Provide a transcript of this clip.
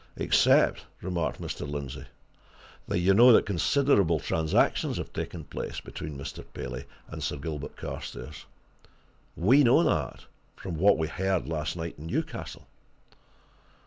"Except," remarked Mr. Lindsey, "that you know that considerable transactions have taken place between Mr. Paley and Sir Gilbert Carstairs. We know that, from what we heard last night in Newcastle."